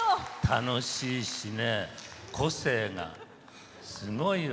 楽しいしね個性がすごいわ。